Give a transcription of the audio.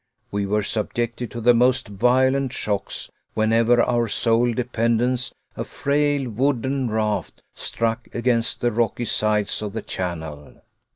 We were subjected to the most violent shocks, whenever our sole dependence, a frail wooden raft, struck against the rocky sides of the channel.